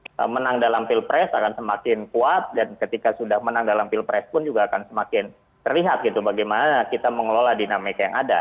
dan ketika sudah menang dalam pilpres akan semakin kuat dan ketika sudah menang dalam pilpres pun juga akan semakin terlihat gitu bagaimana kita mengelola dinamika yang ada